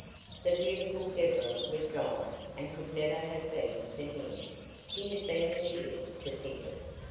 The beautiful Deborah was gone, and could never have been for him; he had been an idiot to think it.